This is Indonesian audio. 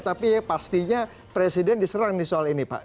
tapi pastinya presiden diserang nih soal ini pak